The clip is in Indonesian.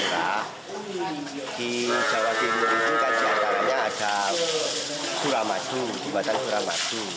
di jawa timur itu kan diantaranya ada kura madu kubatan kura madu